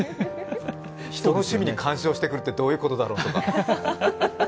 人の趣味に干渉してくるってどういうことだろうとか。